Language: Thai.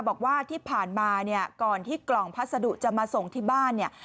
บอกว่าที่ผ่านมาเนี่ยก่อนที่กล่องพัสดุจะมาส่งที่บ้านเนี่ย